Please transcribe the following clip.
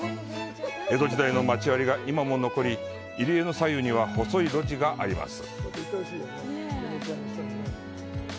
江戸時代の町割が今も残り、入江の左右には細い路地があります。